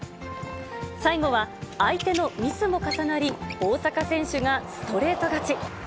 最後は相手のミスも重なり、大坂選手がストレート勝ち。